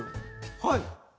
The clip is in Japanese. はい？